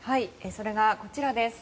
それが、こちらです。